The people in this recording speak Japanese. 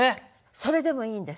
それでもいいんです。